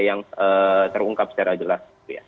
yang terungkap secara jelas